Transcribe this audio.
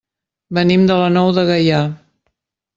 Venim de la Nou de Gaià.